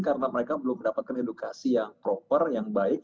karena mereka belum mendapatkan edukasi yang proper yang baik